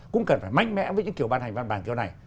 cũng cần phải mạnh mẽ với những kiểu ban hành văn bản kiểu này